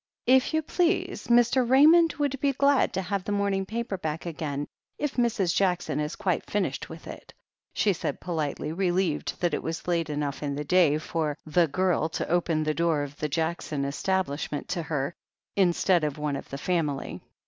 "If you please, Mr. Ra}rmond would be glad to have the morning paper back again if Mrs. Jackson has quite finished with it," she said politely, relieved that it was late enough in the day for "the girl" to open the door of the Jackson establishment to her, instead of one of the family.